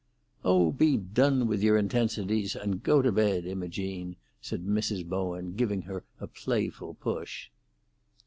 "Oh, be done with your intensities, and go to bed, Imogene," said Mrs. Bowen, giving her a playful push.